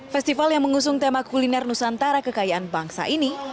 festival yang mengusung tema kuliner nusantara kekayaan bangsa ini